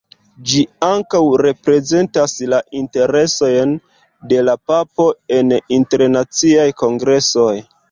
Ĝi ankaŭ reprezentas la interesojn de la papo en internaciaj kongresoj.